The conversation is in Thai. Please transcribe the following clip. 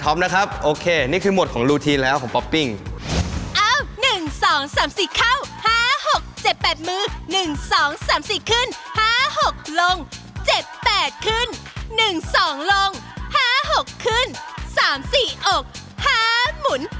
เข้า๕๖๗๘มือ๑๒๓๔ขึ้น๕๖ลง๗๘ขึ้น๑๒ลง๕๖ขึ้น๓๔อก๕หมุน๖๗๘